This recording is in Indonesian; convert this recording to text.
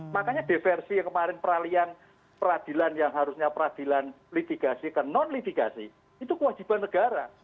makanya diversi yang kemarin peralihan peradilan yang harusnya peradilan litigasi ke non litigasi itu kewajiban negara